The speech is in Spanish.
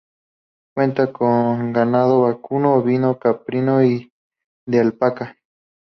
Cuenta con ganado vacuno, ovino, caprino y de alpaca.